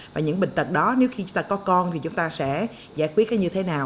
và những bệnh tật đó nếu khi chúng ta có con thì chúng ta sẽ giải quyết như thế nào